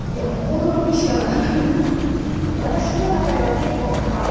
驚きしかなかったです。